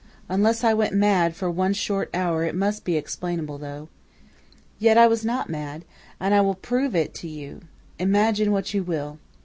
Unless I went mad for one short hour it must be explainable, though. Yet I was not mad, and I will prove it to you. Imagine what you will.